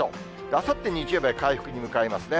あさって日曜日は回復に向かいますね。